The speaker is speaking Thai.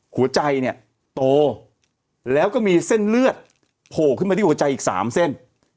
หัวใจเนี่ยโตแล้วก็มีเส้นเลือดโผล่ขึ้นมาที่หัวใจอีก๓เส้น